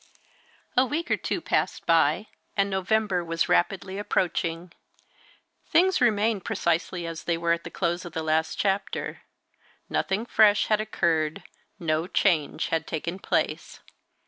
A week or two passed by, and November was rapidly approaching. Things remained precisely as they were at the close of the last chapter: nothing fresh had occurred; no change had taken place.